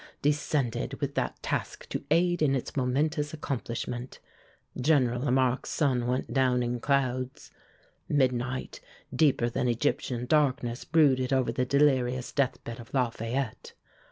descended with that task to aid in its momentous accomplishment. General Lamarque's sun went down in clouds. Midnight, deeper than Egyptian darkness, brooded over the delirious deathbed of Lafayette.